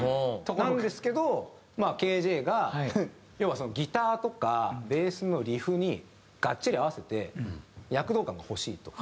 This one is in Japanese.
なんですけどまあＫｊが要はギターとかベースのリフにがっちり合わせて躍動感が欲しいと。